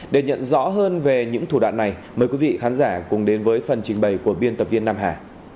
để nhận rõ hơn về những thủ đoạn này mời quý vị khán giả cùng đến với phần trình bày của biên tập viên nam hà